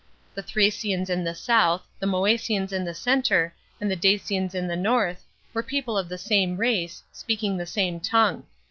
The Thracians in the south, the Moesians in the centre, and the Dacians in the north, were people of the same race, speaking the same tongue.